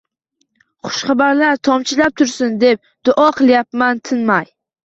xushxabarlar tomchilab tursin!», deb duo qilyapman tinmay.